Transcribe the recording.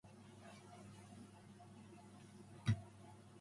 She then began an overhaul.